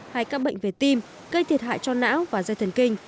hay các bệnh về tim gây thiệt hại cho não và dây thần kinh